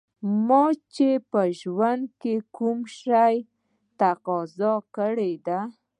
ما چې په ژوند کې د کوم شي تقاضا کړې ده